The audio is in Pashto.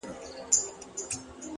علم د ژوند اسانتیاوې زیاتوي!